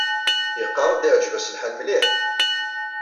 Yeqqar-d iɛǧeb-as lḥal mliḥ.